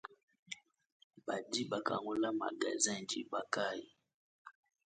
Badi bakangula magazen diba kayi ?